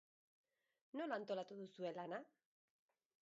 Nola antolatu duzue lana?